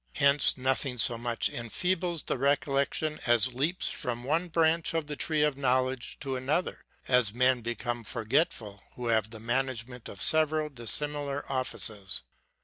Hence nothing so much en feebles the recollection as leaps from one branch of the tree of knowledge to another ; as men become forgetful who have the management of several dissimilar offices.